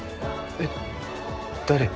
えっ誰？